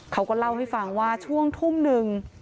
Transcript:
เขาก็เล่าให้ฟังว่าช่วงทุ่มหนึ่ง